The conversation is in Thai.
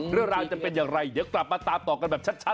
เรื่องราวจะเป็นอย่างไรเดี๋ยวกลับมาตามต่อกันแบบชัด